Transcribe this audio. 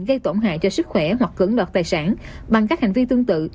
gây tổn hại cho sức khỏe hoặc cưỡng đoạt tài sản bằng các hành vi tương tự